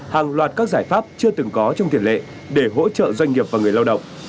hàng loạt các giải pháp chưa từng có trong tiền lệ để hỗ trợ doanh nghiệp và người lao động